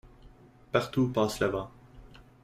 Partout où passe le vent